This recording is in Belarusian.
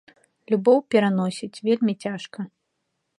Любоў пераносіць вельмі цяжка.